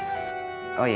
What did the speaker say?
gue baru ke bandara